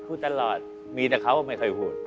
พูดตลอดมีแต่เขาไม่ค่อยพูด